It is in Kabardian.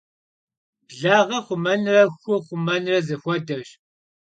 Blağe xhumenre xu xhumenre zexuedeş.